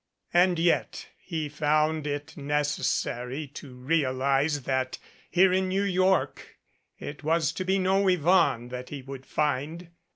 And yet he found it necessary to realize that here in New York it was to be no Yvonne that he would find.